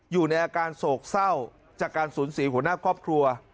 อยู่ในอาการโศกเศร้าจากการสูญเสียหัวหน้าครอบครัว